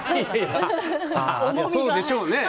そうでしょうね。